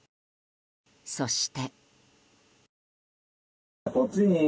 そして。